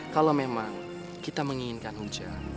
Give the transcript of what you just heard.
kalau memang kita menginginkan hujan